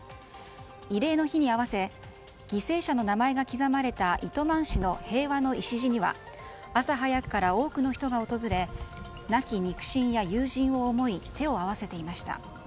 慰霊の日に合わせ犠牲者の名前が刻まれた糸満市の平和の礎には朝早くから多くの人が訪れ亡き肉親や友人を思い手を合わせていました。